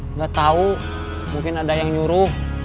nggak tahu mungkin ada yang nyuruh